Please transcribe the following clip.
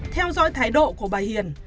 theo dõi thái độ của bà hiền